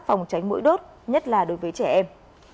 phòng tránh mũi đốt nhất là đối với trẻ em